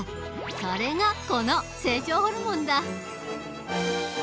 それがこの成長ホルモンだ。